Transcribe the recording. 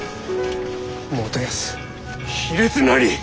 元康卑劣なり！